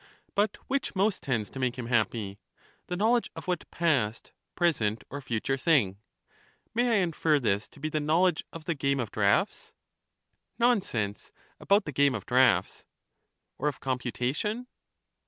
But which most tends to make him happy? the knowledge of what past, present, or future thing? May I infer this to be the knowledge of the game of draughts? Nonsense about the game of draughts. Or of computation?